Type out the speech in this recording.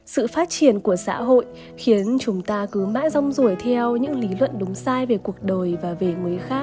sự phát triển của xã hội khiến chúng ta cứ mãi rong rủi theo những lý luận đúng sai về cuộc đời và về người khác